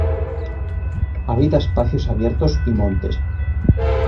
Habita espacios abiertos, y montes.